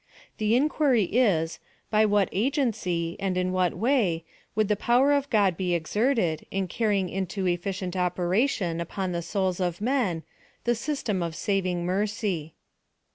The inquiry is — by what agency, and in what way, would the power of God be exerted, in carrying into efficient operation upon the souls of men, the system of saving mercy?